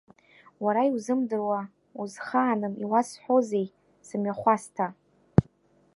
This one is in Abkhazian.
Уара иузымдыруа, узхааным иуасҳәозеи, сымҩахәасҭа.